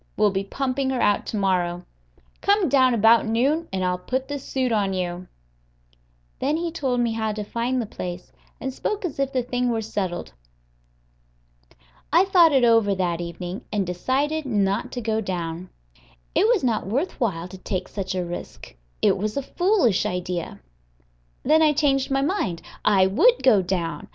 We'll be pumping her out to morrow. Come down about noon, and I'll put the suit on you." Then he told me how to find the place, and spoke as if the thing were settled. I thought it over that evening, and decided not to go down. It was not worth while to take such a risk; it was a foolish idea. Then I changed my mind: I would go down.